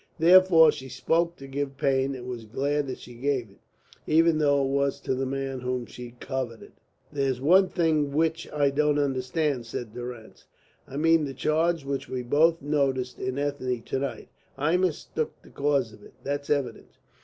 Therefore she spoke to give pain and was glad that she gave it, even though it was to the man whom she coveted. "There's one thing which I don't understand," said Durrance. "I mean the change which we both noticed in Ethne to night. I mistook the cause of it, that's evident.